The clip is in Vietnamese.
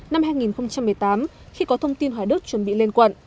năm hai nghìn một mươi tám khi có thông tin hoài đức chuẩn bị lên quận